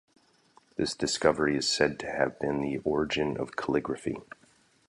This discovery is said to have been the origin of calligraphy.